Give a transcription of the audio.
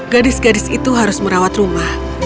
gadis gadis itu harus merawat rumah